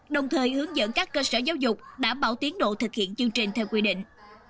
đồng thời hướng dẫn các cơ sở giáo dục đảm bảo tiến độ thực hiện chương trình theo quy định